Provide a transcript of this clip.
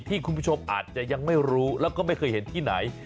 คุณผู้ชมอาจจะยังไม่รู้แล้วก็ไม่เคยเห็นที่ไหน